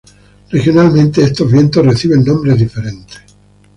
Regionalmente, estos vientos reciben nombres diferentes.